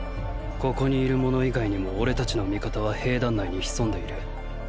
ここにいる者以外にも俺たちの味方は兵団内に潜んでいる。